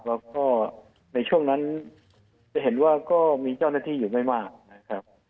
แล้วก็ในช่วงนั้นจะเห็นว่าก็มีเจ้าหน้าที่อยู่ไม่มากนะครับ